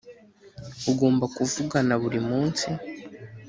ugomba kuvugana buri munsi.